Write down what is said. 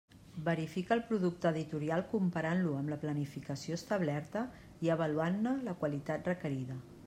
Verifica el producte editorial comparant-lo amb la planificació establerta i avaluant-ne la qualitat requerida.